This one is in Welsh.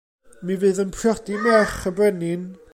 Mi fydd yn priodi merch y brenin.